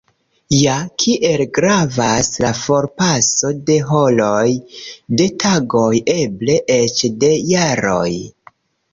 Ja, kiel gravas la forpaso de horoj, de tagoj, eble eĉ de jaroj?